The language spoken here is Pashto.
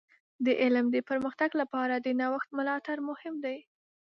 د علم د پرمختګ لپاره د نوښت ملاتړ مهم دی.